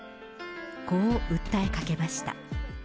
こう訴えかけました。